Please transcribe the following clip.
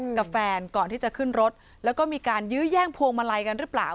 กับแฟนก่อนที่จะขึ้นรถแล้วก็มีการยื้อแย่งพวงมาลัยกันหรือเปล่า